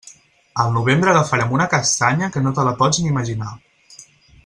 Al novembre agafarem una castanya que no te la pots ni imaginar.